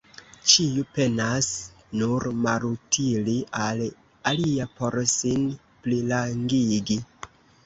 Ĉiu penas nur malutili al alia por sin plirangigi.